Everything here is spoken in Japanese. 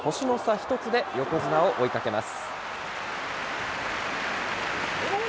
１つで横綱を追いかけます。